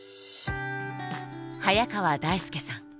早川大輔さん。